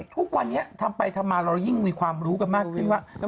ทุกวันนี้ทำไปทำมาเรายิ่งมีความรู้กันมากขึ้นว่า